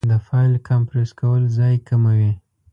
د فایل کمپریس کول ځای کموي.